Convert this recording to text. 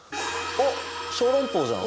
おっ小籠包じゃん！